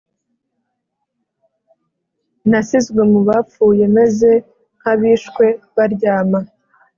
Nasizwe mu bapfuye meze nk abishwe baryama